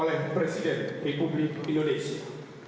oleh presiden republik indonesia